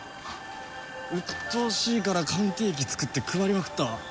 うっとうしいから鑑定機作って配りまくったわ。